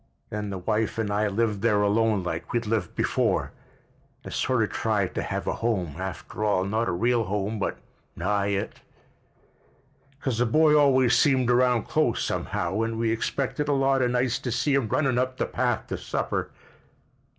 Then the wife and I lived there alone like we'd lived before, and sort of tried to have a home, after all, not a real home but nigh it—cause the boy always seemed around close, somehow, and we expected a lot of nights to see him runnin' up the path to supper."